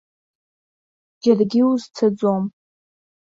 Џьаргьы узцаӡом.